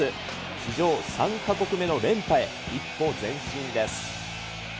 史上３か国目の連覇へ一歩前進です。